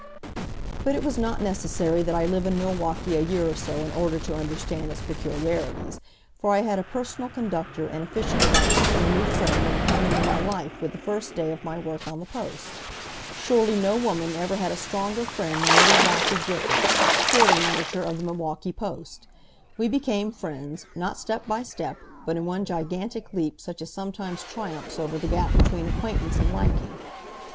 But it was not necessary that I live in Milwaukee a year or so in order to understand its peculiarities, for I had a personal conductor and efficient guide in the new friend that had come into my life with the first day of my work on the Post. Surely no woman ever had a stronger friend than little "Blackie" Griffith, sporting editor of the Milwaukee Post. We became friends, not step by step, but in one gigantic leap such as sometimes triumphs over the gap between acquaintance and liking.